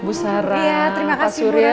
bu sara pak surya